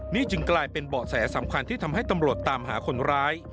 นี่จึงกลายเป็นเบาะแสสำคัญที่ทำให้ตำรวจตามหาคนร้าย